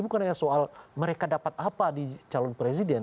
bukan hanya soal mereka dapat apa di calon presiden